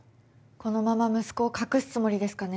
このまま息子を隠すつもりですかね。